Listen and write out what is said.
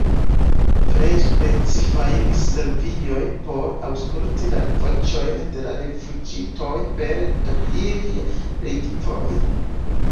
Krei specifajn servojn por aŭskulti la voĉojn de la rifuĝintoj pere de iliaj lingvoj.